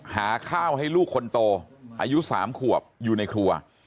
หาข้าวให้ลูกคนโตอายุ๓ขวบอยู่ในครัว